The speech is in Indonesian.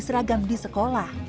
seragam di sekolah